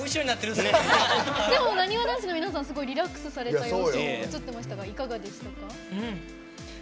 でも、なにわ男子の皆さんリラックスした様子も映ってましたがいかがでしたか？